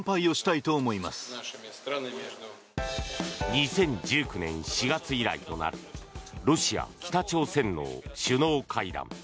２０１９年４月以来となるロシア・北朝鮮の首脳会談。